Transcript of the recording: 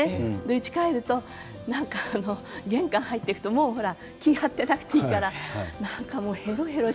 うち帰ると何か玄関入っていくともうほら気を張っていなくていいから何かもうへろへろしちゃって。